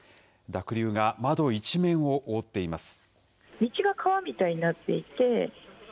濁流が窓一面を覆っています。